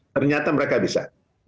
ternyata mereka bisa